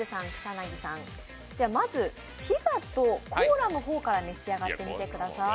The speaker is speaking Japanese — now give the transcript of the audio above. まず、ピザとコーラの方から召し上がってみてください。